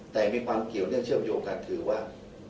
แต่มีความเกี่ยวเนื่อเชื่อมโยงกันคือว่า